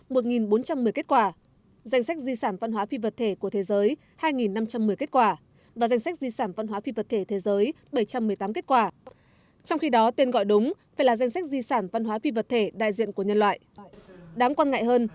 mà chỉ có di sản văn hóa phi vật thể của cộng đồng tại một quốc gia nào đó